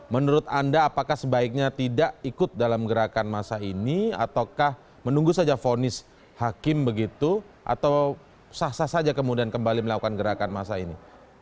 menurut anda apakah sebaiknya tidak ikut dalam gerakan masa ini ataukah menunggu saja vonis hakim begitu atau sah sah saja kemudian kembali melakukan gerakan masa ini